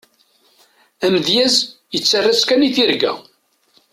Amedyaz, yettarra-tt kan i tirga.